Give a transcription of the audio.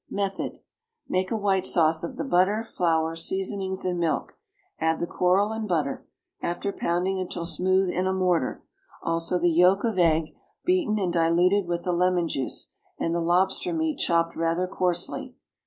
Method. Make a white sauce of the butter, flour, seasonings and milk; add the coral and butter, after pounding until smooth in a mortar, also the yolk of egg, beaten and diluted with the lemon juice, and the lobster meat chopped rather coarsely.